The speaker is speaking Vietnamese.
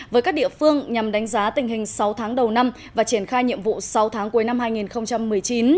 với các địa phương nhằm đánh giá tình hình sáu tháng đầu năm và triển khai nhiệm vụ sáu tháng cuối năm hai nghìn một mươi chín